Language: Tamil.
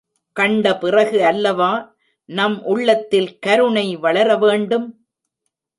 கண்ட பிறகு அல்லவா நம் உள்ளத்தில் கருணை வளர வேண்டும்?